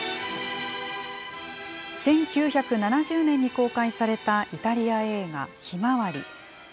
１９７０年に公開されたイタリア映画、ひまわり。